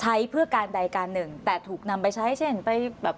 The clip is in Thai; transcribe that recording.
ใช้เพื่อการใดการหนึ่งแต่ถูกนำไปใช้เช่นไปแบบ